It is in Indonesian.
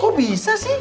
kok bisa sih